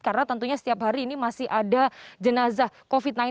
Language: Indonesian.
karena tentunya setiap hari ini masih ada jenazah covid sembilan belas